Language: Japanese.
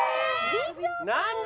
なんだ？